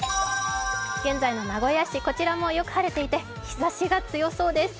現在の名古屋市、こちらもよく晴れていて日ざしが強そうです。